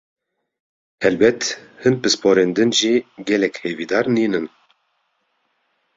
Helbet, hin pisporên din jî gelek hêvîdar nînin.